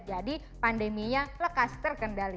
jadi pandeminya lekas terkendali